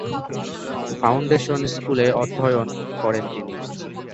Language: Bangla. ফাউন্ডেশন স্কুলে অধ্যয়ন করেন তিনি।